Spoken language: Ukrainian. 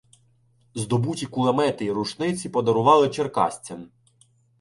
Здобуті кулемети і рушниці подарували черкасцям.